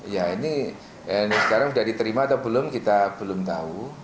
ya ini sekarang sudah diterima atau belum kita belum tahu